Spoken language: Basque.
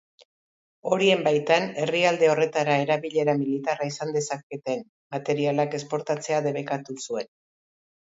Horien baitan, herrialde horretara erabilera militarra izan dezaketen materialak esportatzea debekatu zuen.